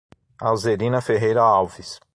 Alzerina Ferreira Alves